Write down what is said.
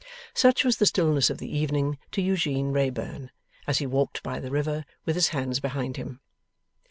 Such was the stillness of the evening to Eugene Wrayburn, as he walked by the river with his hands behind him.